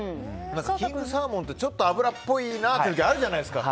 キングサーモンってちょっと脂っぽいなって時あるじゃないですか。